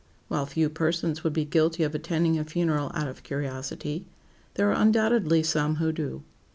While few persons would be guilty of attending a funeral out of curiosity, there are undoubtedly some who do.